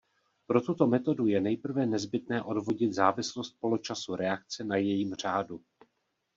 Pro tuto metodu je nejprve nezbytné odvodit závislost poločasu reakce na jejím řádu.